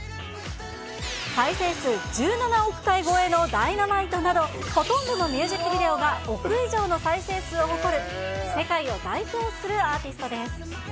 再生数１７億回超えのＤｙｎａｍｉｔｅなど、ほとんどのミュージックビデオが億以上の再生数を誇る世界を代表するアーティストです。